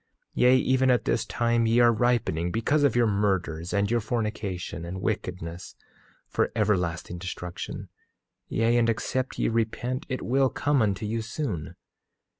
8:26 Yea, even at this time ye are ripening, because of your murders and your fornication and wickedness, for everlasting destruction; yea, and except ye repent it will come unto you soon.